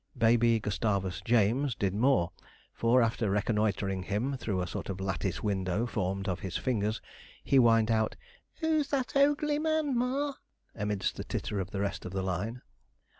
Baby, Gustavus James, did more; for after reconnoitring him through a sort of lattice window formed of his fingers, he whined out, 'Who's that ogl e y man, ma?' amidst the titter of the rest of the line.